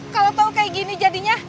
kalau tau kayak gini jadinya